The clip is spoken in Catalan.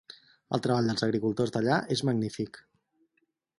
El treball dels agricultors d'allà és magnífic.